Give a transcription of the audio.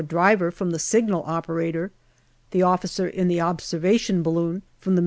driver from the signal operator, the officer in the observation balloon from the M.O.